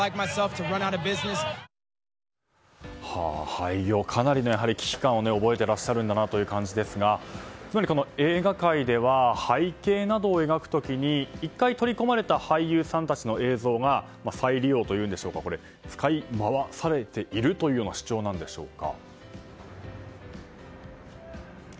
廃業、かなりの危機感を覚えていらっしゃる感じですがつまり、映画界では背景などを描く時に１回、取り込まれた俳優さんたちの映像が再利用というんでしょうか使い回されているという主張なんでしょうか？